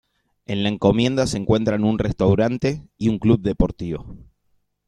En La Encomienda se encuentran un restaurante y un club deportivo.